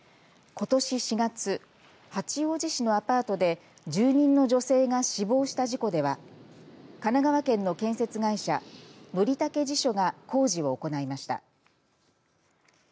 ことし４月八王子市のアパートで住人の女性が死亡した事故では神奈川県の建設会社則武地所が工事を行いました。